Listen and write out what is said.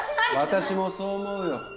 私もそう思うよ。